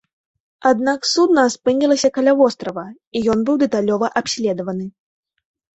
Аднак судна спынілася каля вострава, і ён быў дэталёва абследаваны.